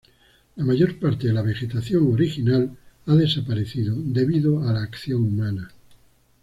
La mayor parte de la vegetación original ha desaparecido debido a la acción humana.